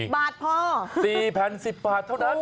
บาทพอ๔แผ่น๑๐บาทเท่านั้น